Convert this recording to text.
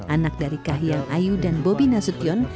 anak dari kahiyang ayu dan bobi nasution